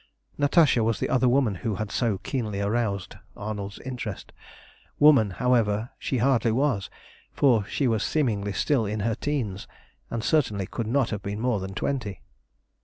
Natasha was the other woman who had so keenly roused Arnold's interest. Woman, however, she hardly was, for she was seemingly still in her teens, and certainly could not have been more than twenty.